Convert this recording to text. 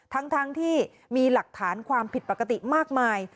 ทั้งที่มีหลักฐานความผิดปกติมากมาย